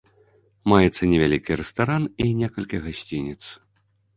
Маецца невялікі рэстаран і некалькі гасцініц.